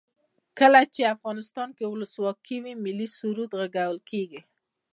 کله چې افغانستان کې ولسواکي وي ملي سرود غږول کیږي.